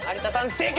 正解！